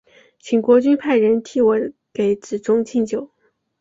请国君派人替我给子重进酒。